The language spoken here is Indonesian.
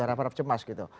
harap harap cemas gitu